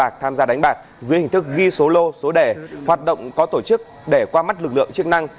hoặc tham gia đánh bạc dưới hình thức ghi số lô số đẻ hoạt động có tổ chức để qua mắt lực lượng chức năng